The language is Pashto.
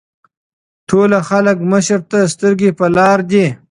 ټول خلک مشر ته سترګې پۀ لار دي ـ